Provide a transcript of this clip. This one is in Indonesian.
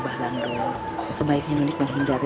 bahlando sebaiknya nolik menghindar ya